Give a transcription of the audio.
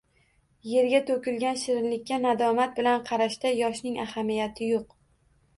Yerga to’kilgan shirinlikka nadomat bilan qarashda yoshning ahamiyati yo’q.